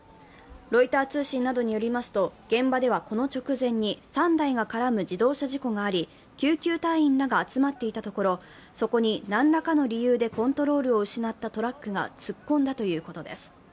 ロイター通信などによりますと、現場ではこの直前に３台が絡む自動車事故があり、救急隊員らが集まっていたところそこに何らかの理由でコントロールを失ったトラックが突っ込んだということです。